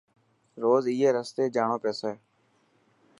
روز اي رستي ڄاڻو پيسي.